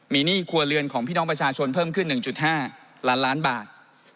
มีหนี้ครัวเรือนของพี่น้องประชาชนเพิ่มขึ้น๑๕ล้านล้านบาท